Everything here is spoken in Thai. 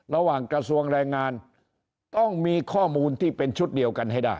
ระหว่างกระทรวงแรงงานต้องมีข้อมูลที่เป็นชุดเดียวกันให้ได้